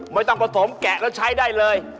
ไม่ต้องผสมแกะแล้วใช้ได้เลย